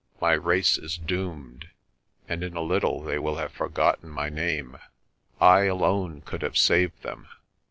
My race is doomed and in a little they will have forgotten my name. I alone could have saved them.